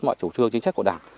mọi chủ trương chính sách của đảng